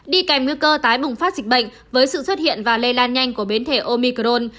đi kèm nguy cơ tái bùng phát dịch bệnh với sự xuất hiện và lây lan nhanh của biến thể omicrone